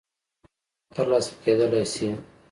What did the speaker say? م ترلاسه کېدلای شي